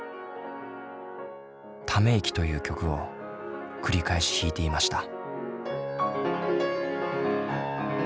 「ため息」という曲を繰り返し弾いていました。